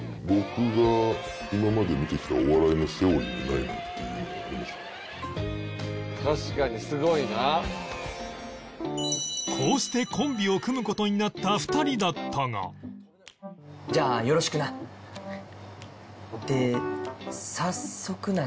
僕がこうしてコンビを組む事になった２人だったがで。